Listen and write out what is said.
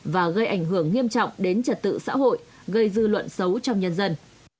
và gây ảnh hưởng nghiêm trọng đến trật tự xã hội gây dư luận xấu trong nhân dân